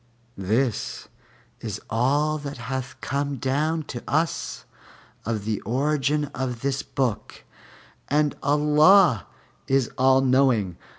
This is all that hath come down to us of the origin of this book, and Allah is All knowing.